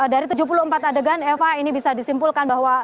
dari tujuh puluh empat adegan eva ini bisa disimpulkan bahwa